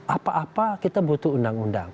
apa apa kita butuh undang undang